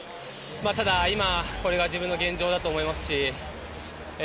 ただ、今、これが自分の現状だと思いますし。